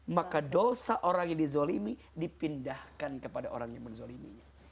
maka dosa orang yang dizolimi dipindahkan kepada orang yang menzoliminya